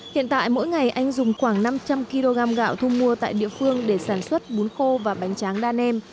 hiện tại mỗi ngày anh dùng khoảng năm trăm linh kg gạo thu mua tại địa phương để sản xuất bún khô và bánh tráng đa nem